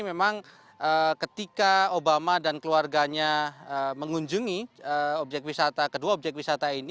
memang ketika obama dan keluarganya mengunjungi objek wisata kedua objek wisata ini